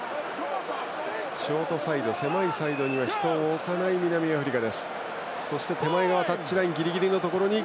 ショートサイド、狭いサイドに人を置かない南アフリカ。